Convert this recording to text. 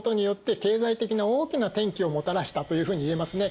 経済的な大きな転機をもたらしたというふうにいえますね。